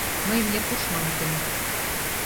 Мыйым Якуш маныт ыле.